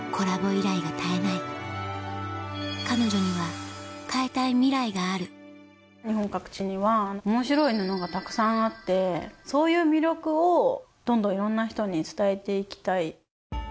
依頼が絶えない彼女には変えたいミライがある日本各地には面白い布がたくさんあってそういう魅力をどんどんいろんな人に伝えていきたい。